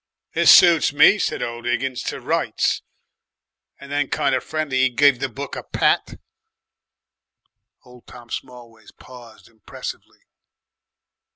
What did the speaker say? "'This suits me,' said old Higgins, 'to rights.' "And then kind of friendly he gave the book a pat Old Tom Smallways paused impressively.